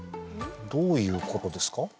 どういうことですか？